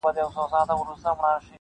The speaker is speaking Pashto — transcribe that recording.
ستا قدم زموږ یې لېمه خو غریبي ده,